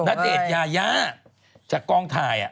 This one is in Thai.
ณเดชน์ยายาจากกองถ่าย